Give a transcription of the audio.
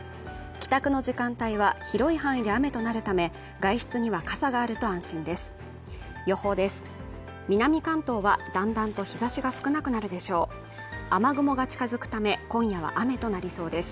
帰宅の時間帯は広い範囲で雨となるため外出には傘があると安心です予報です